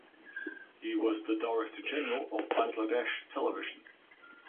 He was the Director General of Bangladesh Television.